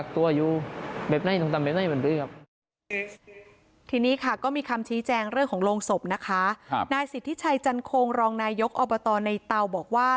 ทีนี้ค่ะก็มีคำชี้แจงเรื่องของโรงศพนะคะครับนายสิทธิชัยจันทรงรองนายยกอบตในเตาบอกว่า